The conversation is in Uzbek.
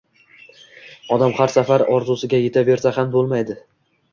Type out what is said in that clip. Odam har safar orzusiga yetaversa ham bo‘lmaydi.